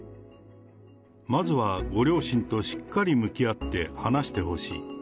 まずはご両親としっかり向き合って話してほしい。